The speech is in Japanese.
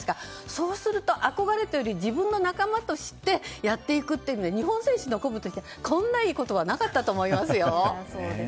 そうすると憧れというより自分の仲間としてやっていくということで日本選手の鼓舞としてこんなにいい言葉はなかったと思いますよ。